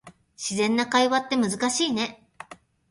自然な会話って難しいね